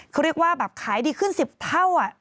เขาเรียกว่าแบบขายดีขึ้น๑๐เท่า